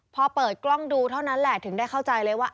พอเปิดกล้องดูเท่านั้นแหละถึงได้เข้าใจเลยว่า